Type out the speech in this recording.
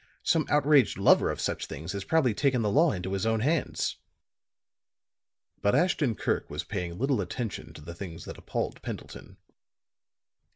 Some outraged lover of such things has probably taken the law into his own hands." But Ashton Kirk was paying little attention to the things that appalled Pendleton.